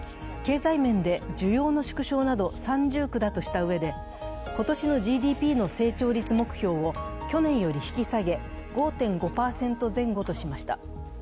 経済面で需要の縮小など三重苦だとしたうえで今年のＧＤＰの成長率目標を去年より引き下げ５．５％前後としました。